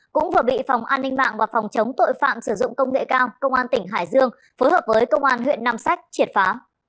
cũng vừa bị phòng an ninh mạng và phòng chống tội phạm sử dụng công nghệ cao công an tỉnh hải dương phối hợp với công an huyện nam sách triệt phá